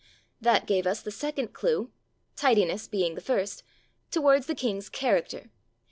That gave us the second clue (tidiness being the first) towards the king's character.